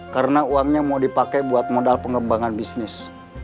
karena uangnya mau dipakai buat modal pengembangan bisnis